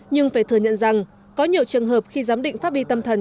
nhưng phải thừa nhận rằng có nhiều trường hợp khi giám định pháp bi tâm thần